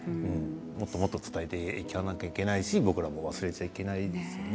もっともっと伝えていかなきゃいけないし僕らも忘れちゃいけないですよね。